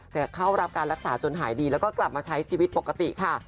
แต่เข้ารับการรักษาจนหายดีแล้วก็กลับมาใช้ชีวิตปกติค่ะ